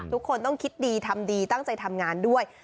ทุกคนต้องคิดดีทำดีตั้งใจทำงานด้วย